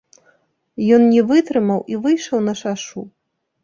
Ён не вытрымаў і выйшаў на шашу.